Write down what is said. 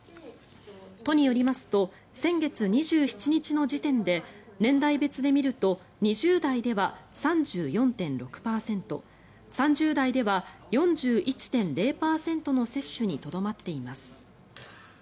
都によりますと先月２７日の時点で年代別で見ると２０代では３４．６％３０代では４１．０％の接種にとどまっています。